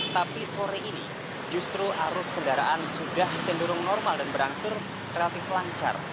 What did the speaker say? tapi sore ini justru arus kendaraan sudah cenderung normal dan berangsur relatif lancar